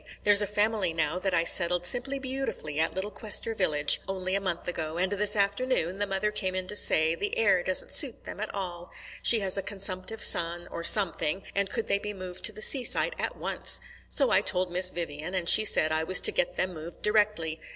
There's a family now that I settled simply beautifully at Little Quester village only a month ago, and this afternoon the mother came in to say the air doesn't suit them at all she has a consumptive son or something and could they be moved to the seaside at once. So I told Miss Vivian, and she said I was to get them moved directly.